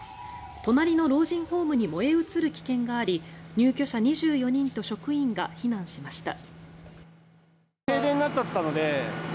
隣の老人ホームに燃え移る危険があり入居者２４人と職員が避難しました。